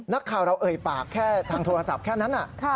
นักข่าวเราเอ่ยปากแค่ทางโทรศัพท์แค่นั้น